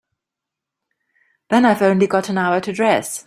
Then I've only got an hour to dress.